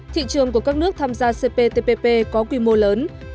thị trường của các nước tham gia cptpp có quy mô lớn